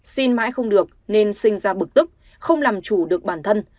xin mãi không được nên sinh ra bực tức không làm chủ được bản thân